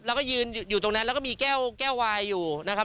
แล้วก็ยืนอยู่ตรงนั้นแล้วก็มีแก้วแก้ววายอยู่นะครับ